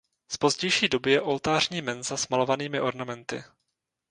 Z pozdější doby je oltářní mensa s malovanými ornamenty.